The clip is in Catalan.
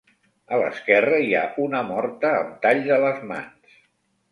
A l'esquerra hi ha una morta amb talls a les mans.